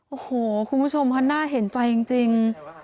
โอ้โหคุณผู้ชมค่ะน่าเห็นใจจริง